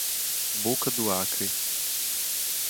Boca do Acre